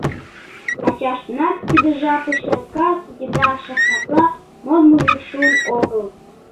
Ачаштынат тиде жапыште кас еда шахматла модмыжо шуын огыл...